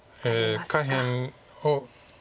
下辺を。